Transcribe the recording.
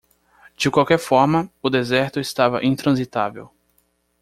De qualquer forma, o deserto estava intransitável.